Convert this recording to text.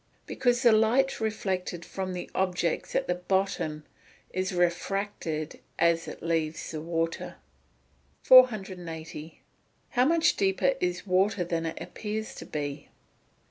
_ Because the light reflected from the objects at the bottom is refracted as it leaves the water. 480. _How much deeper is water than it appears to be?